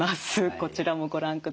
こちらもご覧ください。